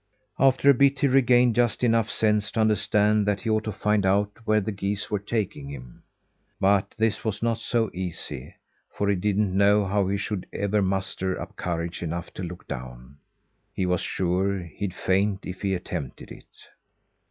After a bit, he regained just enough sense to understand that he ought to find out where the geese were taking him. But this was not so easy, for he didn't know how he should ever muster up courage enough to look down. He was sure he'd faint if he attempted it.